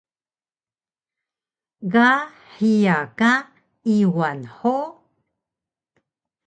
ga hiya ka Iwal hug?